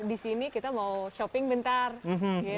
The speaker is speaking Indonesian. di sini kita mau shopping bentar